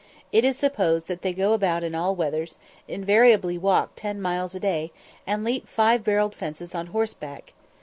It is supposed that they go out in all weathers, invariably walk ten miles a day, and leap five barred fences on horseback.